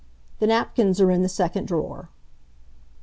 The napkins are in the second drawer."